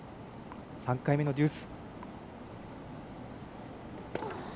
３回目のデュース。